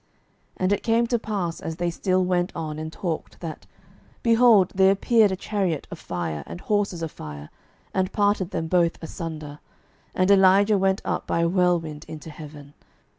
12:002:011 And it came to pass, as they still went on, and talked, that, behold, there appeared a chariot of fire, and horses of fire, and parted them both asunder; and Elijah went up by a whirlwind into heaven.